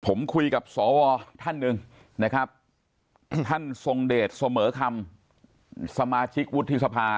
ผมคุยกับสวท่านหนึ่งนะครับท่านทรงเดชเสมอคำสมาชิกวุฒิสภา